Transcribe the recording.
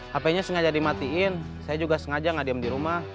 hp nya sengaja dimatiin saya juga sengaja nggak diam di rumah